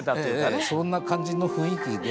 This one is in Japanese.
そんな感じの雰囲気で。